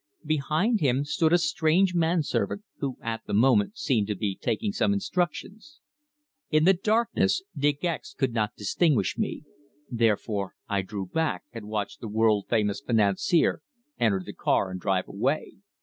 Behind him stood a strange man servant, who at the moment seemed to be taking some instructions. In the darkness De Gex could not distinguish me. Therefore I drew back and watched the world famous financier enter the car and drive away.